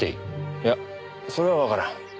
いやそれはわからん。